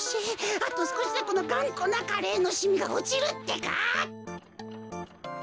あとすこしでこのがんこなカレーのしみがおちるってか。